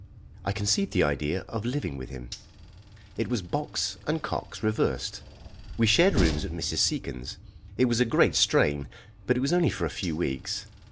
I conceived the idea of living with him. It was Box and Cox reversed. We shared rooms at Mrs. Seacon's. It was a great strain, but it was only for a few weeks.